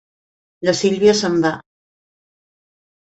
La Sílvia se'n va.